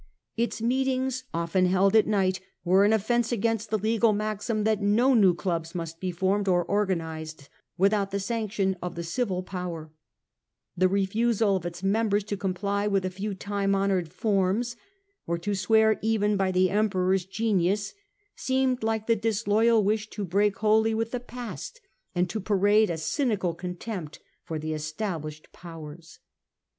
Its meetings, often held at night, were an offence against the legal maxim that no new clubs must be formed or organized without the sanction of the civil power ; the refusal of its members to comply with a few time honoured forms, or to swear even by the Emperor's Genius, seemed like the disloyal wish to break wholly with the past and to parade a cynical contempt for the established powers.